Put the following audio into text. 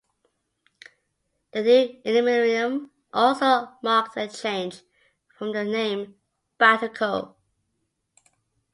The new millennium also marked a change from the name Batelco.